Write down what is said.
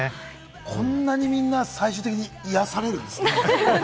こんなにみんな最終的に癒やされるんですね。